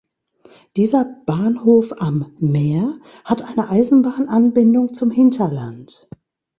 Dieser "Bahnhof am Meer" hat eine Eisenbahnanbindung zum Hinterland.